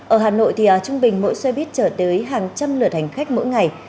ở hà nội thì trung bình mỗi xe buýt chở tới hàng trăm lượt hành khách mỗi ngày